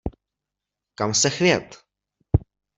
Kam se chvět?